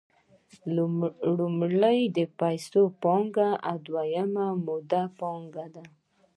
لومړی د پیسو پانګه او دویم مولده پانګه ده